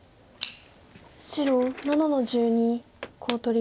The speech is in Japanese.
白７の十二コウ取り。